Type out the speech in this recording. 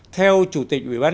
theo chủ tịch ubnd